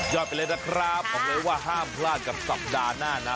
ไปเลยนะครับบอกเลยว่าห้ามพลาดกับสัปดาห์หน้านะ